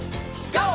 ＧＯ！